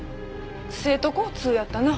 西都交通やったな？